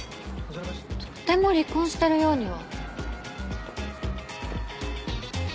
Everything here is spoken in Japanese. とても離婚してるようには。